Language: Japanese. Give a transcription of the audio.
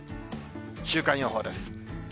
週間予報です。